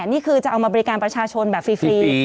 นี่คือจะเอามาบริการประชาชนแบบฟรี